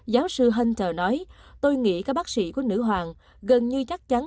giáo sư hânter nói tôi nghĩ các bác sĩ của nữ hoàng gần như chắc chắn